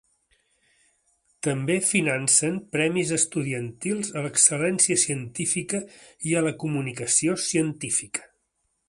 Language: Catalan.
També financen premis estudiantils a l'excel·lència científica i a la comunicació científica.